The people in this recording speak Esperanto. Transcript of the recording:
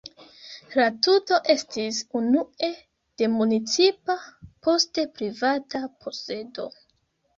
La tuto estis unue de municipa, poste privata posedo.